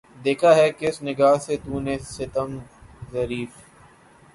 دیکھا ہے کس نگاہ سے تو نے ستم ظریف